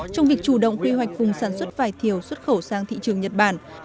trong việc chủ động quy hoạch vùng sản xuất vải thiều xuất khẩu sang thị trường nhật bản